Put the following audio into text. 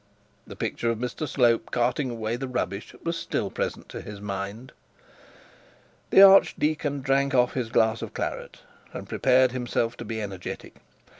The picture of Mr Slope carting away the rubbish was still present to his mind. The archdeacon drank off his glass of claret, and prepared himself to be energetic.